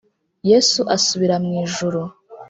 yesu asubira mu ijuru